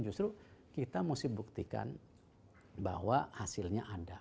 justru kita mesti buktikan bahwa hasilnya ada